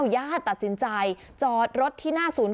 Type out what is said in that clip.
ญาติตัดสินใจจอดรถที่หน้าศูนย์